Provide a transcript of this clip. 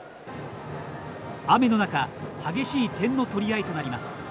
雨の中激しい点の取り合いとなります。